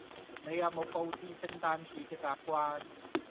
你有冇佈置聖誕樹嘅習慣？